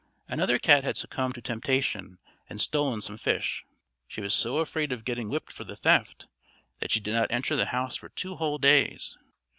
Another cat had succumbed to temptation and stolen some fish; she was so afraid of getting whipped for the theft, that she did not enter the house for two whole days.